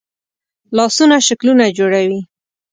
لاسونه شکلونه جوړوي